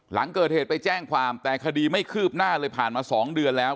หลังเกิดเหตุไปแจ้งความแต่คดีไม่คืบหน้าเลยผ่านมา๒เดือนแล้ว